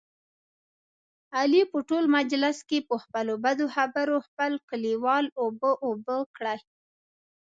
علي په ټول مجلس کې، په خپلو بدو خبرو خپل کلیوال اوبه اوبه کړل.